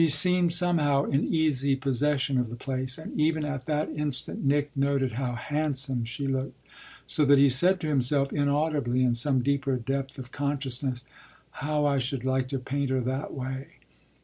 She seemed somehow in easy possession of the place, and even at that instant Nick noted how handsome she looked; so that he said to himself inaudibly, in some deeper depth of consciousness, "How I should like to paint her that way!"